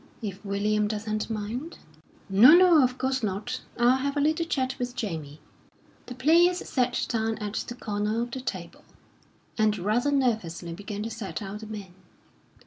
"If William doesn't mind?" "No, no, of course not! I'll have a little chat with Jamie." The players sat down at the corner of the table, and rather nervously began to set out the men.